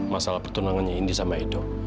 masalah pertunangannya indi sama edo